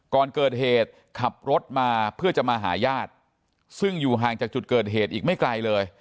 ก่อนเกิดเหตุขับรถมาเพื่อจะมาหาญาติซึ่งอยู่ห่างจากจุดเกิดเหตุอีกไม่ไกลเลย